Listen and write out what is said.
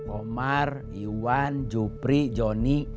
omar iwan jupri jonny